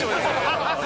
ハハハハ！